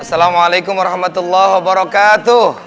assalamualaikum warahmatullahi wabarakatuh